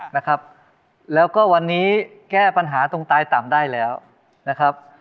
นะครับแล้วก็วันนี้แก้ปัญหาตรงตายต่ำได้แล้วนะครับ